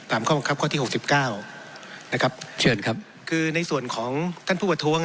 ข้อบังคับข้อที่หกสิบเก้านะครับเชิญครับคือในส่วนของท่านผู้ประท้วง